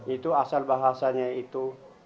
itu asal bahasanya itu